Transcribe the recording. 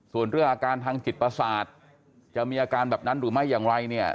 ส่วนเรื่องอาการทางจิตประสาทจะมีอาการแบบนั้นหรือไม่อย่างไรเนี่ย